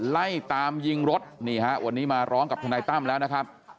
ไล่ตามยิงรถนี่ฮะวันนี้มาร้องกับทนายตั้มแล้วนะครับ